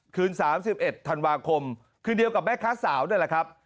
คืน๓๑ธันวาคมคืนเดียวกับแม่ค้าสาวนี่แหละครับ